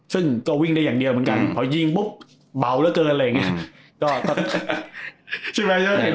ซึ่งก็วิ่งได้อย่างเดียวเหมือนกันพอยิงปุ๊บเบาเหลือเกินอะไรอย่างนี้